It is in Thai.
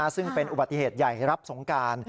ซึ่งเป็นอุบัติเหตุใหญ่รับสงการ